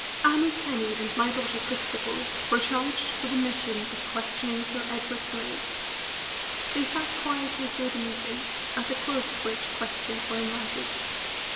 Annie Kenney and my daughter Christabel were charged with the mission of questioning Sir Edward Grey. They sat quietly through the meeting, at the close of which questions were invited.